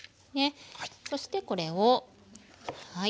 そしてこれをはい。